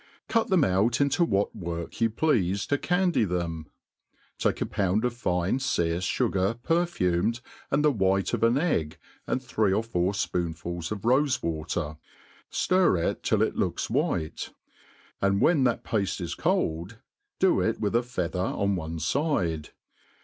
Cut them out into what work you pleafe to candy them'; take a pound of fine fearced fugar perfumed, and the white of an egg, and three or four fpoopfuls of rofe w^ater, ftir it till it ^ooks white; and when that pafte is cold, do it With a feather on one fide.